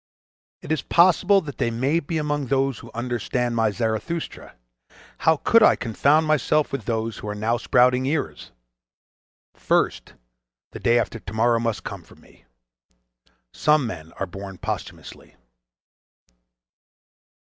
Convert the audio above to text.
It is possible that they may be among those who understand my "Zarathustra": how could I confound myself with those who are now sprouting ears?—First the day after tomorrow must come for me. Some men are born posthumously.